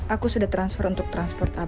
aku sudah transfer untuk transport